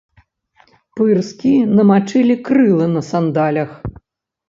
Пырскі намачылі крылы на сандалях.